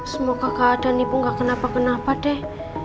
semoga keadaan ibu gak kenapa kenapa deh